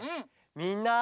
みんな！